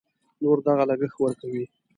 نور دغه لګښت ورکوي.